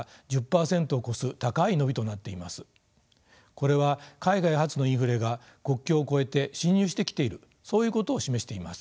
これは海外発のインフレが国境を越えて侵入してきているそういうことを示しています。